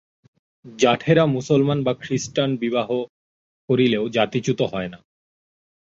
জাঠেরা মুসলমান বা খ্রীষ্টান পর্যন্ত বিবাহ করিলেও জাতিচ্যুত হয় না।